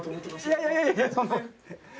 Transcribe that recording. いやいやいやいやそんな。